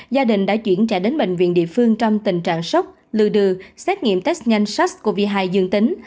gia đình đã chuyển trả đến bệnh viện địa phương trong tình trạng sốc lưu đừ xét nghiệm test nhanh sars cov hai dương tính